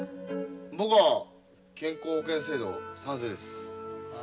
僕は健康保険制度賛成です。